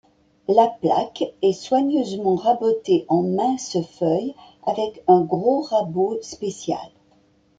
La plaque est soigneusement rabotée en minces feuilles avec un gros rabot spécial.